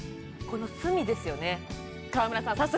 この隅ですよね川村さん